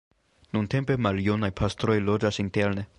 Nuntempe maljunaj pastroj loĝas interne.